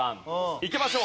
いきましょう。